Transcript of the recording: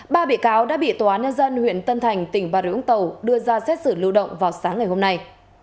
ba bị cáo đã bị tòa án nhân dân huyện tân thành tỉnh bà rịa úng tàu đưa ra xét xử lưu động vào sáng ngày hôm nay